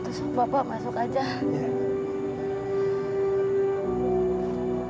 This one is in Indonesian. atau bapak masuk aja